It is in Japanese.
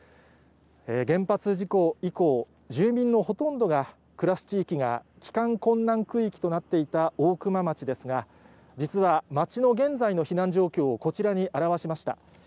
原発事故以降、住民のほとんどが暮らす地域が帰還困難区域となっていた大熊町ですが、実は、町の現在の避難状況を、こちらに表しました。